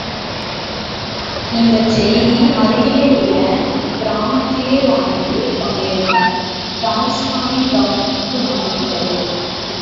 இந்தச் செய்தி அருகிலே உள்ள கிராமத்திலே வாழ்ந்து கொண்டிருந்த டால்ஸ்டாயின் கவனத்துக்கு வந்துவிட்டது.